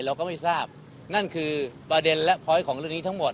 เราก็ไม่ทราบนั่นคือประเด็นและพอยต์ของเรื่องนี้ทั้งหมด